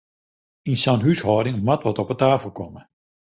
Yn sa'n húshâlding moat wat op 'e tafel komme!